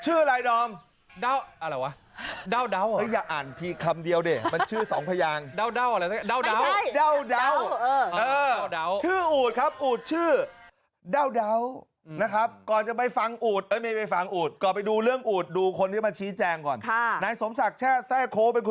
เอาใหม่แต่ก็อยากให้อูดมันหันหน้าว่าเหมือนขา